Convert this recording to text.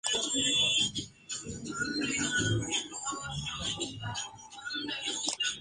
Finalmente fue aceptado en la Universidad de Alabama, donde estudió periodismo.